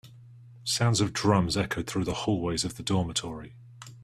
Sounds of drums echoed through the hallways of the dormitory.